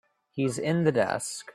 He's in the desk.